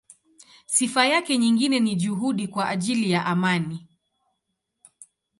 Sifa yake nyingine ni juhudi kwa ajili ya amani.